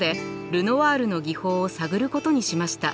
ルノワールの技法を探ることにしました。